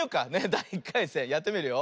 だい１かいせんやってみるよ。